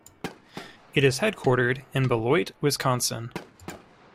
It is headquartered in Beloit, Wisconsin.